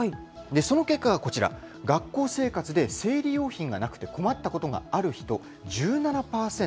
その結果がこちら、学校生活で生理用品がなくて困ったことがある人、１７％。